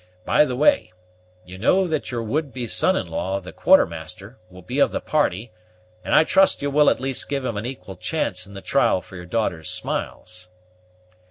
By the way, you know that your would be son in law, the Quartermaster, will be of the party; and I trust you will at least give him an equal chance in the trial for your daughter's smiles."